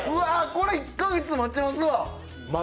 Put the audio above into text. これ、１か月待ちますわ！